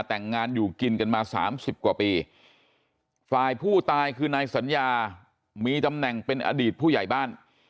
แต่งงานอยู่กินกันมาสามสิบกว่าปีฝ่ายผู้ตายคือนายสัญญามีตำแหน่งเป็นอดีตผู้ใหญ่บ้าน